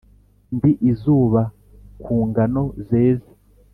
ndi izuba ku ngano zeze,